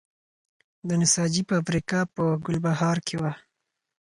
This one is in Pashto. د نساجي فابریکه په ګلبهار کې وه